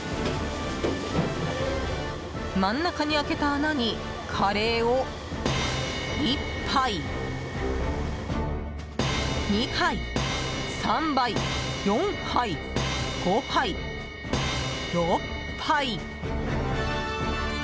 真ん中に開けた穴にカレーを１杯、２杯、３杯４杯、５杯、６杯。